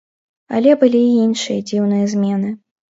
Але былі і іншыя дзіўныя змены.